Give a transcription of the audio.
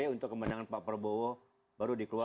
untuk kemenangan pak prabowo baru dikeluarkan